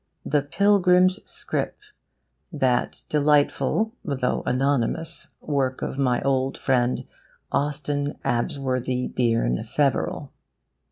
THE PILGRIM'S SCRIP, that delightful though anonymous work of my old friend Austin Absworthy Bearne Feverel.